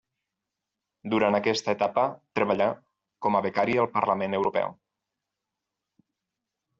Durant aquesta etapa treballà com a becari al Parlament Europeu.